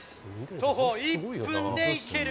徒歩１分で行ける